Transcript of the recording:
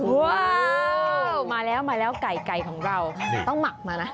ว้าวมาแล้วไก่ของเราต้องหมักมานะ